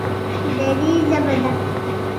دري ژبه ده